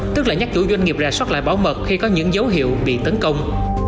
tức là nhắc chủ doanh nghiệp ra soát lại bảo mật khi có những dấu hiệu bị tấn công